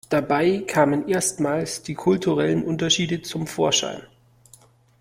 Dabei kamen erstmals die kulturellen Unterschiede zum Vorschein.